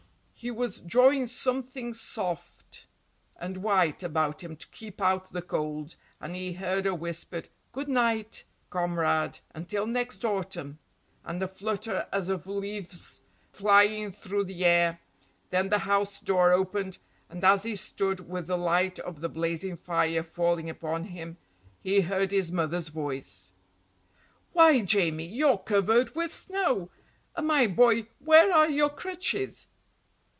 He was drawing something soft and white about him to keep out the cold and he heard a whispered "Good night, Comrade, until next Autumn," and a flutter as of leaves flying through the air, then the house door opened and as he stood with the light of the blazing fire falling upon him he heard his mother's voice: "Why, Jamie, you're covered with snow! And, my boy, where are your crutches?"